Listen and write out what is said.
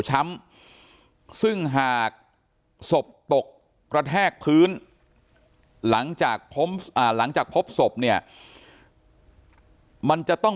ช้ำซึ่งหากศพตกกระแทกพื้นหลังจากพบศพเนี่ยมันจะต้อง